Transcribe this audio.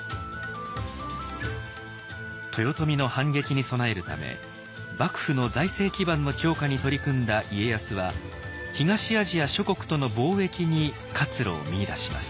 豊臣の反撃に備えるため幕府の財政基盤の強化に取り組んだ家康は東アジア諸国との貿易に活路を見いだします。